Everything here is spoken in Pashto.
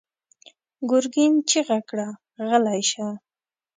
ګرګين چيغه کړه: غلی شه!